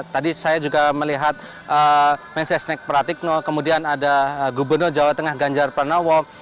tadi saya juga melihat mensesnek pratikno kemudian ada gubernur jawa tengah ganjar pranowo